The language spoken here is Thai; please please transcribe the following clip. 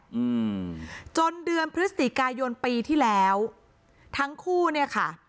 อืมจนเดือนพฤศจิกายนปีที่แล้วทั้งคู่เนี้ยค่ะ